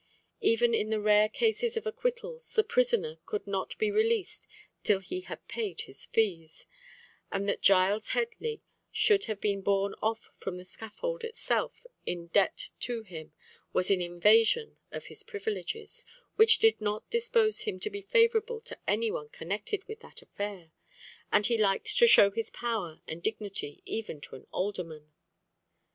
Even in the rare cases of acquittals, the prisoner could not be released till he had paid his fees, and that Giles Headley should have been borne off from the scaffold itself in debt to him was an invasion of his privileges, which did not dispose him to be favourable to any one connected with that affair; and he liked to show his power and dignity even to an alderman.